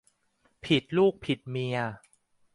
ผิดลูกผิดเมีย